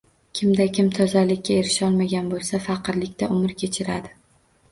Kimda kim tozalikka erisholmagan boʻlsa, faqirlikda umr kechiradi